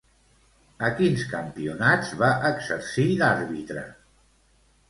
A quins campionats va exercir d'àrbitre?